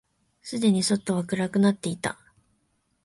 すでに外は暗くなっていた。